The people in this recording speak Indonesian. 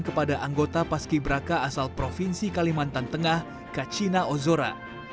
kepada anggota paski braka asal provinsi kalimantan tengah kacina ozora